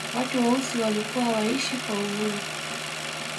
watu weusi walikuwa hawaishi kwa uhuru